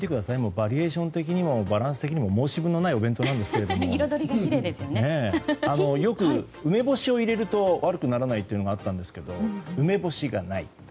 バリエーション的にもバランス的にも申し分ないお弁当なんですがよく、梅干しを入れると悪くならないといわれますが梅干しがない。